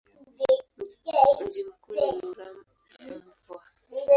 Mji mkuu ni Muramvya.